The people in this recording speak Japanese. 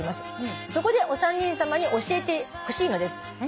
「そこでお三人さまに教えてほしいのです」